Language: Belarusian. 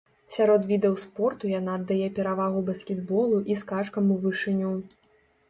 Сярод відаў спорту яна аддае перавагу баскетболу і скачкам у вышыню.